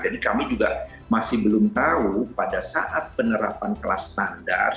jadi kami juga masih belum tahu pada saat penerapan kelas standar